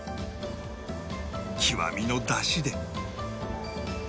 極みのだしで